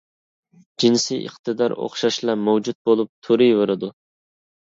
جىنسىي ئىقتىدار ئوخشاشلا مەۋجۇت بولۇپ تۇرۇۋېرىدۇ.